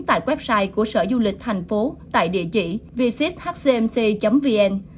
tại website của sở du lịch thành phố tại địa chỉ visithcmc vn